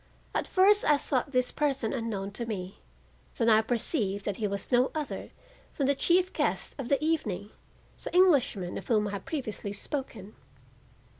At first I thought this person unknown to me, then I perceived that he was no other than the chief guest of the evening, the Englishman of whom I have previously spoken.